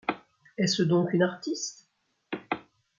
Est-ce donc une artiste ?